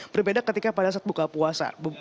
berbeda ketika pada saat buka puasa